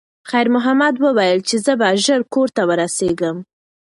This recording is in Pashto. خیر محمد وویل چې زه به ژر کور ته ورسیږم.